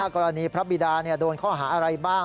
กรณีพระบิดาโดนข้อหาอะไรบ้าง